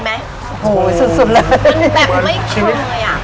เหมือนชีวิต